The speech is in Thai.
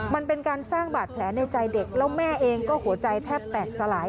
มันเป็นการสร้างบาดแผลในใจเด็กแล้วแม่เองก็หัวใจแทบแตกสลาย